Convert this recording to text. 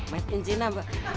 made in cina mbak